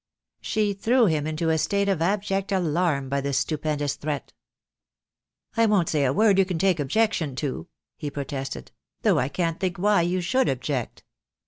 She threw him into a state of abject alarm by this stupendous threat. "I won't say a word you can take objection to," he protested, "though I can't think why you should object."